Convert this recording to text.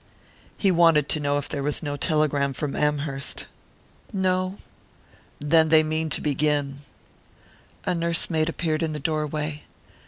"He wanted to know if there was no telegram from Amherst." "No." "Then they mean to begin." A nursemaid appeared in the doorway.